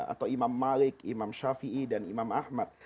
atau imam malik imam shafi'i dan imam al mu'ad